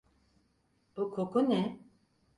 Bu koku ne?